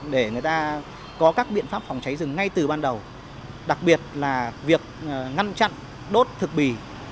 để người ta có các biện pháp phòng cháy rừng ngay từ ban đầu đặc biệt là việc ngăn chặn đốt thực bì